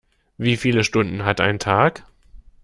Wie viele Stunden hat ein Tag?